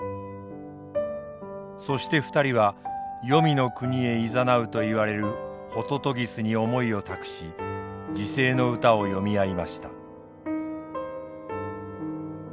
そして２人は黄泉の国へいざなうといわれるほととぎすに思いを託し辞世の歌を詠み合いました。